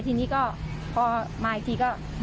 ที่นี้ก็พอมาอีกทีก็มาแล้ว